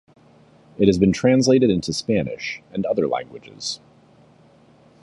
It has been translated into Spanish and other languages.